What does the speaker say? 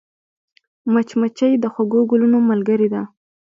مچمچۍ د خوږو ګلونو ملګرې ده